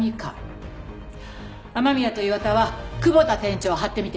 雨宮と岩田は久保田店長を張ってみて。